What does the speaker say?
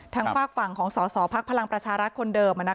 ทางฝากฝั่งของสอพลักษณ์พลังประชารัฐคนเดิม